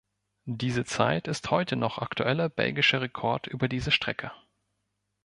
Diese Zeit ist heute noch aktueller belgischer Rekord über diese Strecke.